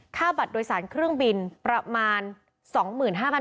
ค่าบัตรโดยสารเครื่องบินประมาณ๒๕๐๐บาท